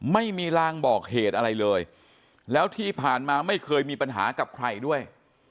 ไม่มีรางบอกเหตุอะไรเลยแล้วที่ผ่านมาไม่เคยมีปัญหากับใครด้วย